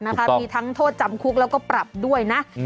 มีทั้งโทษจำคุกแล้วก็ปรับด้วยนะ